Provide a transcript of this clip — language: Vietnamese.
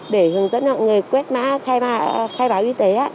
để hướng dẫn mọi người quét mã khai báo y tế